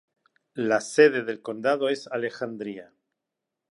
La sede de condado es Alexandria.